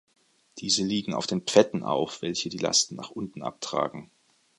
Diese liegen auf den Pfetten auf, welche die Lasten nach unten abtragen.